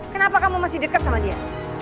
kenapa kamu masih dekat sama dia